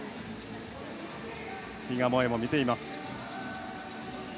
比嘉もえも見ています。